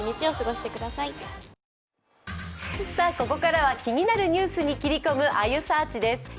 ここからは気になるニュースに斬り込む「あゆサーチ」です。